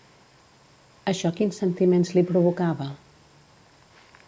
Això quins sentiments li provocava?